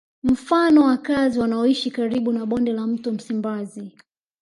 Mfano wakazi wanaoishi karibu na bonde la mto Msimbazi